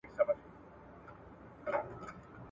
مذهبي مشرانو نفرت ته لمن ووهله.